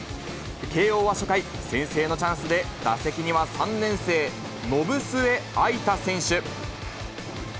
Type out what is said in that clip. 慶応は初回、先制のチャンスで、打席には３年生、延末藍太選手。